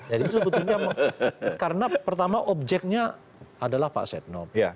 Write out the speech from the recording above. jadi sebetulnya karena pertama objeknya adalah pak setnop